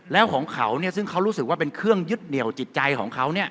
แล้วของเขาซึ่งเขารู้สึกว่าเป็นเครื่องยึดเหนียวจิตใจของเขา